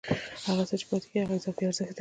هغه څه چې پاتېږي هغه اضافي ارزښت دی